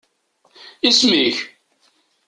Isem-ik?